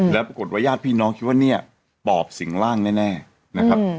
แล้วปรากฏว่าญาติพี่น้องคิดว่าเนี่ยปอบสิงร่างแน่นะครับ